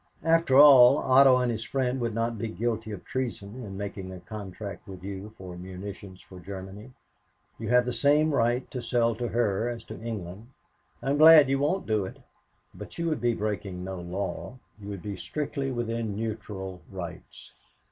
After all, Otto and his friend would not be guilty of treason in making a contract with you for munitions for Germany. You have the same right to sell to her as to England. I'm glad you won't do it but you would be breaking no law you would be strictly within neutral rights."